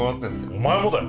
お前もだよ！